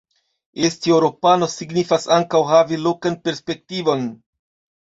Esti eŭropano signifas ankaŭ havi lokan perspektivon".